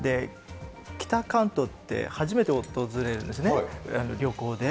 北関東って初めて訪れるんですね、旅行で。